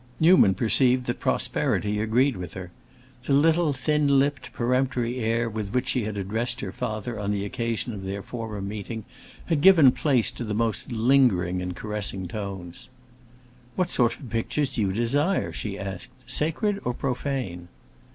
Newman perceived that prosperity agreed with her. The little thin lipped, peremptory air with which she had addressed her father on the occasion of their former meeting had given place to the most lingering and caressing tones. "What sort of pictures do you desire?" she asked. "Sacred, or profane?"